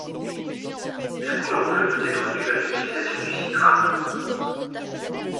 La couleur bleue peut être due à l'utilisation du citrate.